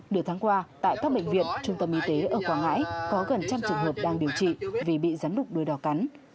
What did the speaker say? điều tháng qua tại các bệnh viện trung tâm y tế ở quảng ngãi có gần trăm trường hợp đang điều trị vì bị rắn lục đuôi đỏ cắn